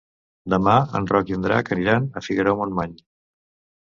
Demà en Roc i en Drac aniran a Figaró-Montmany.